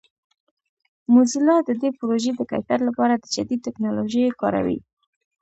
موزیلا د دې پروژې د کیفیت لپاره د جدید ټکنالوژیو کاروي.